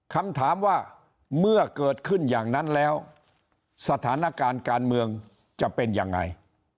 คำถามว่าเมื่อเกิดขึ้นอย่างนั้นแล้วสถานการณ์การเมืองจะเป็นยังไง